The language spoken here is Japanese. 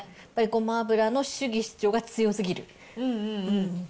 やっぱり、ごま油の主義主張が強すぎる。